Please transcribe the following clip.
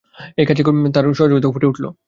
এই কাজে ক্রমে তার সহযোগিতাও ফুটে উঠল।